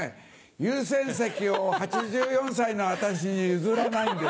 優先席を８４歳の私に譲らないんです。